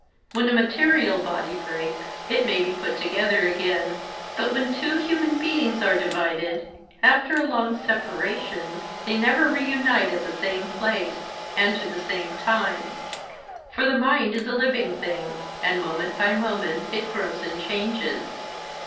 When a material body breaks it may be put together again. But when two human beings are divided, after a long separation, they never re unite at the same place, and to the same time; for the mind is a living thing, and moment by moment it grows and changes.